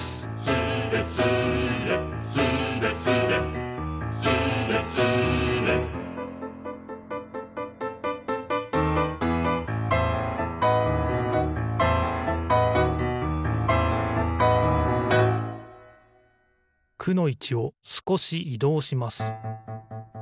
「スレスレスレスレ」「スレスレ」「く」のいちをすこしいどうします。